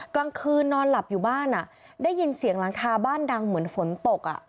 กลางคืนนอนหลับอยู่บ้านได้ยินเสียงหลังคาบ้านดังเหมือนฝนตก